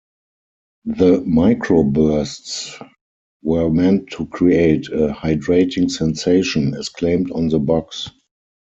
The "micro-bursts" were meant to create "a hydrating sensation", as claimed on the box.